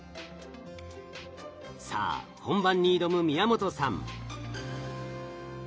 さあ本番に挑む宮本さん。